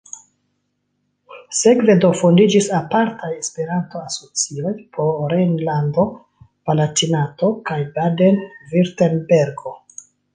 Sekve do fondiĝis apartaj Esperanto-asocioj por Rejnlando-Palatinato kaj Baden-Virtembergo.